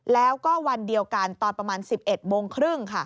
แล้วก็วันเดียวกันตอนประมาณ๑๑โมงครึ่ง